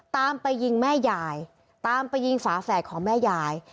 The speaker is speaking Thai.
ตามไปยิงแม่ยายตามไปยิงฝาแฝดของแม่ยาย